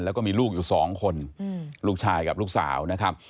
แล้วก็มีลูกอยู่๒คนลูกชายกับลูกสาว